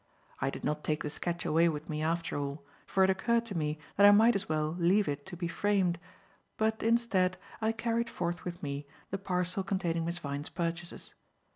I did not take the sketch away with me after all, for it occurred to me that I might as well leave it to be framed; but instead, I carried forth with me the parcel containing Miss Vyne's purchases.